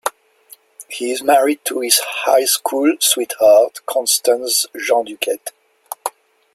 He is married to his high school sweetheart, Constance Jean Duquette.